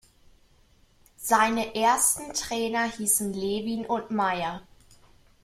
Seine ersten Trainer hießen Lewin und Meier.